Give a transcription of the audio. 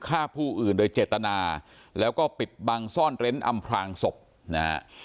ฆ่าผู้อื่นโดยเจตนาแล้วก็ปิดบังซ่อนเร้นอำพลางศพนะฮะ